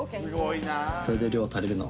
それで量足りるの？